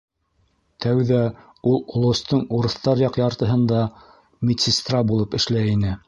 Тәүҙә ул олостоң урыҫтар яҡ яртыһында медсестра булып эшләй ине.